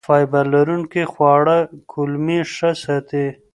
فایبر لرونکي خواړه کولمې ښه ساتي.